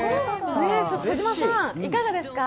児嶋さん、いかがですか？